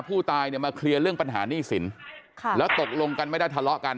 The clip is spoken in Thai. ผู้ตายเนี่ยมาเคลียร์เรื่องปัญหาหนี้สินค่ะแล้วตกลงกันไม่ได้ทะเลาะกัน